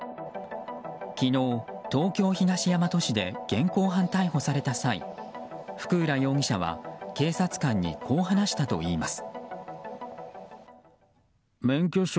昨日、東京・東大和市で現行犯逮捕された際福浦容疑者は警察官にこう話したといいます。